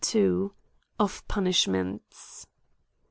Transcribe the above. Of Punishments.